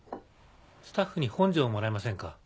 スタッフに本庄をもらえませんか？